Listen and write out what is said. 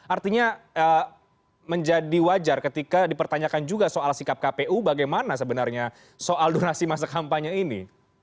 artinya menjadi wajar ketika dipertanyakan juga soal sikap kpu bagaimana sebenarnya soal durasi masa kampanye ini